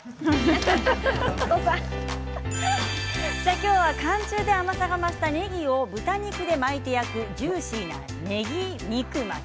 今日は寒中で甘さが増したねぎを豚肉で巻いて焼くジューシーなねぎ肉巻き。